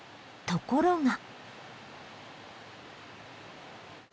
ところが。